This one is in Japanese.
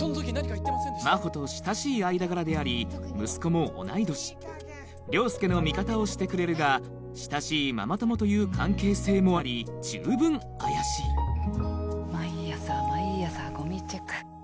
真帆と親しい間柄であり息子も同い年凌介の味方をしてくれるが親しいママ友という関係性もあり十分怪しい毎朝毎朝ゴミチェック。